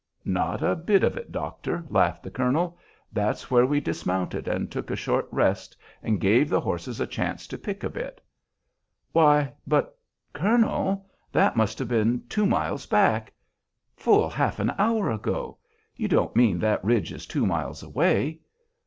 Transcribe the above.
"Not a bit of it, doctor," laughed the colonel. "That's where we dismounted and took a short rest and gave the horses a chance to pick a bit." "Why, but, colonel! that must have been two miles back, full half an hour ago: you don't mean that ridge is two miles away?